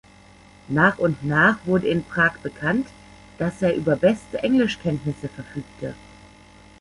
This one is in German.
Nach und nach wurde in Prag bekannt, dass er über beste Englischkenntnisse verfügte.